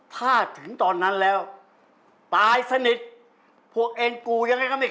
ถ้าถึงตอนนั้นแล้วตายสนิทพวกเองกูยังไงก็ไม่